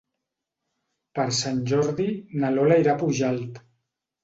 Per Sant Jordi na Lola irà a Pujalt.